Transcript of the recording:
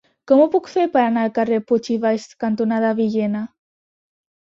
Com ho puc fer per anar al carrer Puig i Valls cantonada Villena?